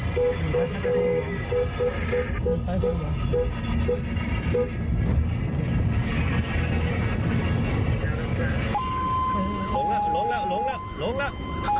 ลงแล้วลงแล้วลงแล้วลงแล้ว